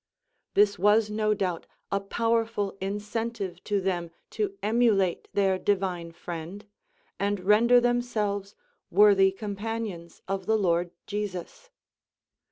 This was no doubt a powerful incentive to them to emulate their divine friend, and render themselves worthy companions of the Lord Jesus.